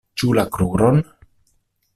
Ĉu la kruron?